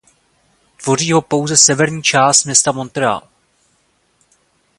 Tvoří ho pouze severní část města Montreuil.